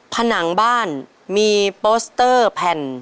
ผนังบ้านมีโปสเตอร์แผ่น